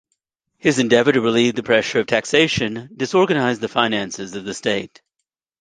His endeavour to relieve the pressure of taxation disorganized the finances of the state.